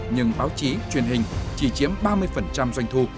nhưng báo chí truyền hình chỉ chiếm ba mươi doanh thu